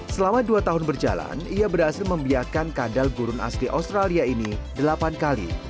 selama dua tahun berjalan ia berhasil membiarkan kadal gurun asli australia ini delapan kali